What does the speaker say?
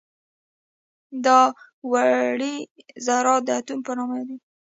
دا وړې ذرات د اتوم په نامه یادیږي.